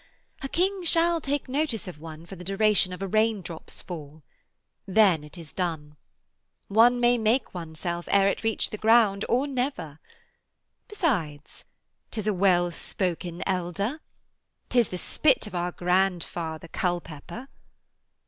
A King shall take notice of one for the duration of a raindrop's fall. Then it is done. One may make oneself ere it reach the ground, or never. Besides, 'tis a well spoken elder. 'Tis the spit of our grandfather Culpepper.'